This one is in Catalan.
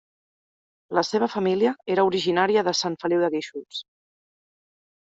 La seva família era originària de Sant Feliu de Guíxols.